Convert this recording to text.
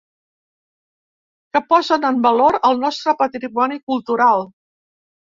Que posen en valor el nostre patrimoni cultural.